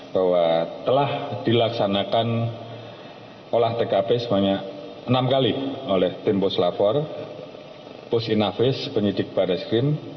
bahwa telah dilaksanakan olah tkp sebanyak enam kali oleh tim poslapor posinavis penyidik pada skrin